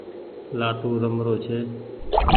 لآٽون رمرو ڇي۔